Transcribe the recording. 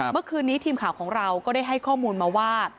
เมื่อคืนนี้ทีมข่าวของเราก็ได้ให้ข้อมูลมาว่า